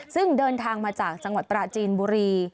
ซึ่งเดินทางมาจากจังหวัดปราจีนบุรี